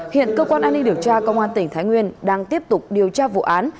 hiện cơ quan an ninh điều tra công an tỉnh thái nguyên đang tiếp tục điều tra vụ án